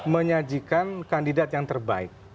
menyajikan kandidat yang terbaik